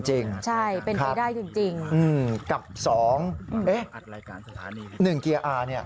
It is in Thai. ใช่เป็นไปได้จริง